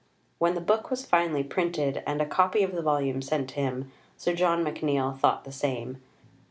When the book was finally printed, and a copy of the volume sent to him, Sir John McNeill thought the same.